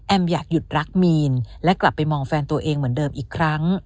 อยากหยุดรักมีนและกลับไปมองแฟนตัวเองเหมือนเดิมอีกครั้ง